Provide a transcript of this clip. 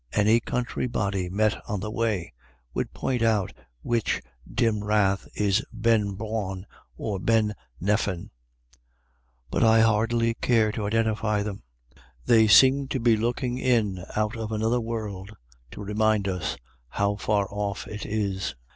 Any country body met on the way would point out which dim wraith is Ben Bawn or Ben Nephin. But I hardly care to iden tify them ; they seem as if they were looking in • L1SC0NNEL. 3 out of another world to remind us how far off it is.